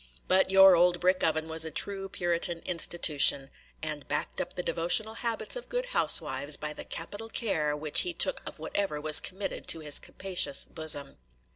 But your old brick oven was a true Puritan institution, and backed up the devotional habits of good housewives, by the capital care which he took of whatever was committed to his capacious bosom.